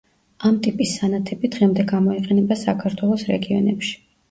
ამ ტიპის სანათები დღემდე გამოიყენება საქართველოს რეგიონებში.